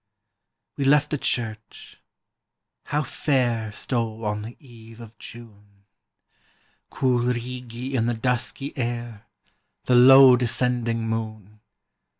We left the church: how fair Stole on the eve of June ! Cool Righi in the dusky air. The low descending moon!